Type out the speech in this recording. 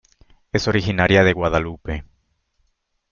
Es originaria de Guadalupe.